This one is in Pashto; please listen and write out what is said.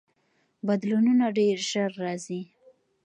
بدلونونه ډیر ژر راځي.